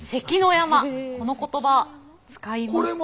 この言葉使いますかね？